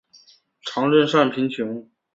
常赈赡贫穷。